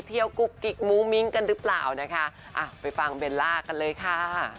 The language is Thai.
ปิดกล้องกรุงกรรมไปแล้วใช่ไหมคะ